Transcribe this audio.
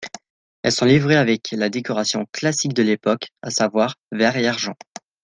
Elles sont livrées avec la décoration classique de l'époque, à savoir vert et argent.